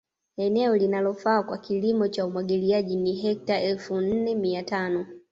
Eneo linalofaa kwa kilimo cha Umwagiliaji ni hekta elfu nne mia tano